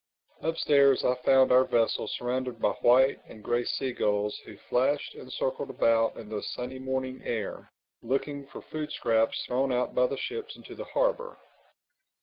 Upstairs I found our vessel surrounded by white and gray seagulls who flashed and circled about in the sunny morning air, looking for food scraps thrown out by the ships into the harbor.